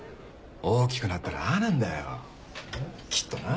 大きくなったらああなんだよきっとな。